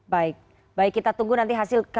baik baik kita tunggu nanti hasilnya